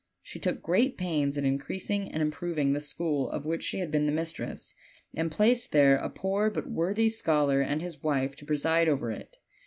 She took great pains in increasing and improving the school of which she had been the mistress, and placed there a poor but worthy scholar and his wife to preside over it.